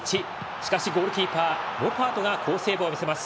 しかし、ゴールキーパーノパートが好セーブを見せます。